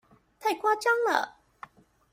太誇張了！